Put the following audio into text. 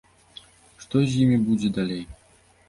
Што з імі будзе далей?